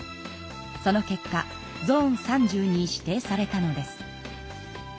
その結果ゾーン３０に指定されたのです。